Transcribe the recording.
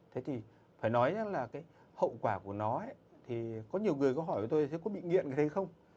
thế thì phải nói rằng là cái hậu quả của nó ấy thì có nhiều người có hỏi với tôi là có bị nghiện cái đấy không